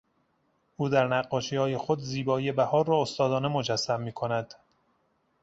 او در نقاشیهای خود زیبایی بهار را استادانه مجسم میکند.